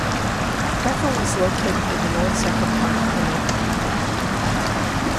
Bethel is located in the north-central part of Anoka County.